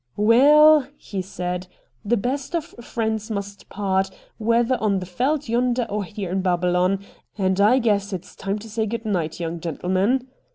74 RED DIAMONDS ' Waal,' he said, ' the best of friends must part, whether on the Yeldt yonder or here in Babylon, and I guess it's time to say good night, young gentleman.'